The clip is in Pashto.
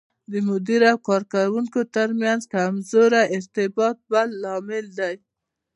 د مدیر او کارکوونکو ترمنځ کمزوری ارتباط بل لامل دی.